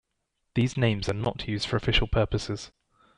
These names are not used for official purposes.